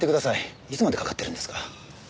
いつまでかかってるんですか。